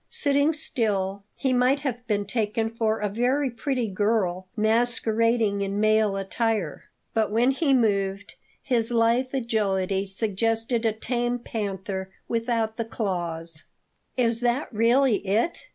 Sitting still, he might have been taken for a very pretty girl masquerading in male attire; but when he moved, his lithe agility suggested a tame panther without the claws. "Is that really it?